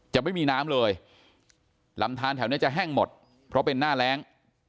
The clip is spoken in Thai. จะไม่มีน้ำเลยลำทานแถวนี้จะแห้งหมดเพราะเป็นหน้าแรง